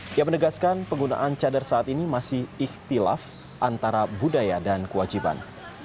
dia menegaskan penggunaan cadar saat ini masih ikhtilaf antara budaya dan kewajiban